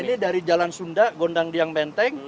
nah ini dari jalan sunda gondang diang menteng